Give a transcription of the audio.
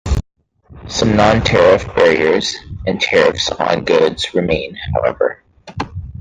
Some non-tariff barriers and tariffs on goods remain, however.